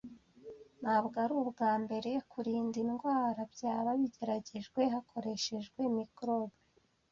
Ntabwo ari ubwa mbere kurinda indwara byaba bigeragejwe hakoreshejwe microbe.